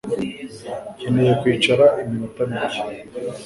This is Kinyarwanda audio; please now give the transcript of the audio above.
Nkeneye kwicara iminota mike.